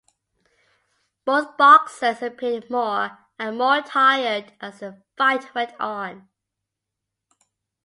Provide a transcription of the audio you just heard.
Both boxers appeared more and more tired as the fight went on.